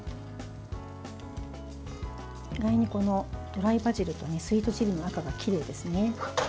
ドライバジルとスイートチリの赤がきれいですね。